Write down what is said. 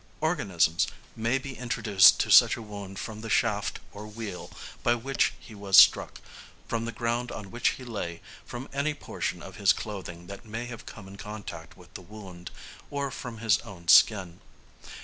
Organisms may be introduced to such a wound from the shaft or wheel by which he was struck, from the ground on which he lay, from any portion of his clothing that may have come in contact with the wound, or from his own skin.